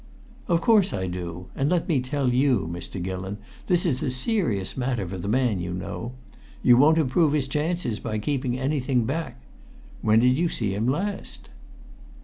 "Of course I do; and let me tell you, Mr. Gillon, this is a serious matter for the man, you know. You won't improve his chances by keeping anything back. When did you see him last?"